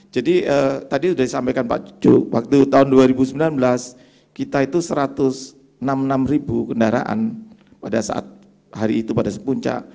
jadi tadi sudah disampaikan pak cucu waktu tahun dua ribu sembilan belas kita itu satu ratus enam puluh enam kendaraan pada saat hari itu pada sepuncak